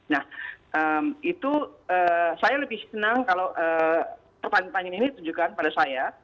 nah itu saya lebih senang kalau pertanyaan pertanyaan ini ditunjukkan pada saya